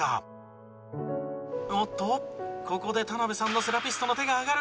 おっとここで田辺さんのセラピストの手が挙がる。